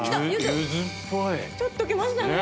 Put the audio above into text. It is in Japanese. ちょっときましたね。